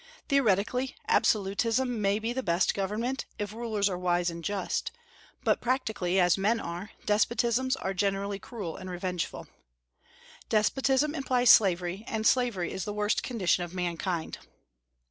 Theoretically, absolutism may be the best government, if rulers are wise and just; but practically, as men are, despotisms are generally cruel and revengeful. Despotism implies slavery, and slavery is the worst condition of mankind.